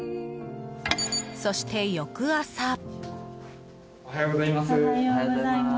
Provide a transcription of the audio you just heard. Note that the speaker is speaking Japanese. そして、翌朝。